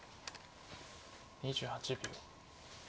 ２８秒。